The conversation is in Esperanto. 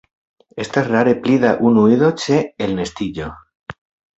Estas rare pli da unu ido ĉe elnestiĝo.